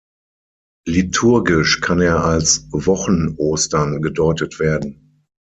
Liturgisch kann er als „Wochen-Ostern“ gedeutet werden.